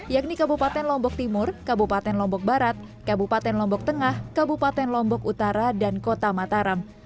yakni kabupaten lombok timur kabupaten lombok barat kabupaten lombok tengah kabupaten lombok utara dan kota mataram